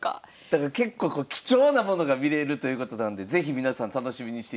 だから結構貴重なものが見れるということなんで是非皆さん楽しみにしていただきたいと思います。